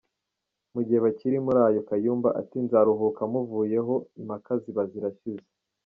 Mu gihe bakiri muri ayo Kayumba ati nzaruhuka muvuyeho impaka ziba zirashize.